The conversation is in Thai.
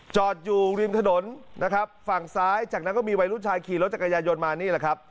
จอดอยู่ริมถนนนะครับฝั่งซ้ายจากนั้นก็มีวัยรุ่นชายขี่รถจักรยายนมานี่แหละครับ